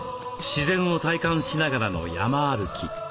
自然を体感しながらの山歩き。